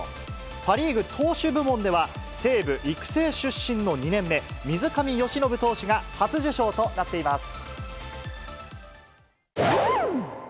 パ・リーグ投手部門では、西武育成出身の２年目、水上由伸投手が初受賞となっています。